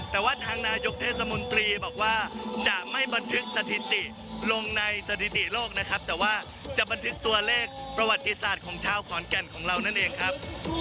แต่ว่าทางนายกเทศมนตรีบอกว่าจะไม่บันทึกสถิติลงในสถิติโลกนะครับแต่ว่าจะบันทึกตัวเลขประวัติศาสตร์ของชาวขอนแก่นของเรานั่นเองครับ